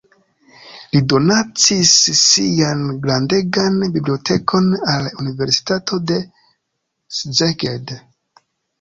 Li donacis sian grandegan bibliotekon al universitato de Szeged.